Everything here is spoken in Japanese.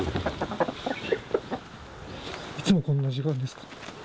いつもこんな時間ですか？